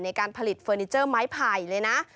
ในการผลิตเฟอร์นิเจอร์ไม้ไผ่เลยนะ